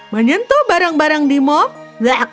menyentuh barang barang di mall